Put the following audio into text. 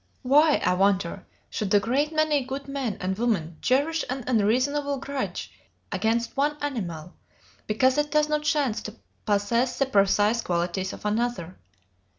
Why, I wonder, should a great many good men and women cherish an unreasonable grudge against one animal because it does not chance to possess the precise qualities of another?